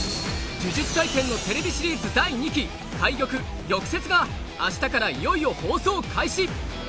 「呪術廻戦」のＴＶシリーズ第２期「懐玉・玉折」が明日からいよいよ放送開始